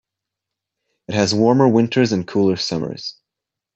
It has warmer winters and cooler summers.